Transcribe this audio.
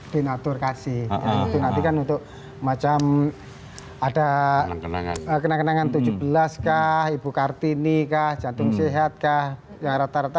binatur kasih untuk macam ada kenangan kenangan tujuh belas kah ibu kartini kah jantung sehat kah ya rata rata